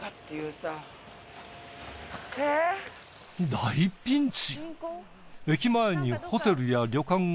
大ピンチ！